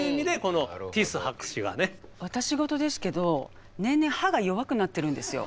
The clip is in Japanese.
私事ですけど年々歯が弱くなってるんですよ。